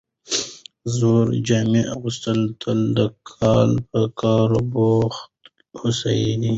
زړې جامې اغوستل تل د کاله په کار بوخت هوسېدل،